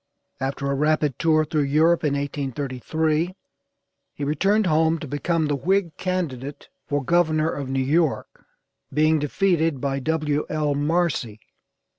After a rapid tour through Europe in 1833 he returned home to become the Whig candidate for governor of New York, being defeated by W. L. Marcy.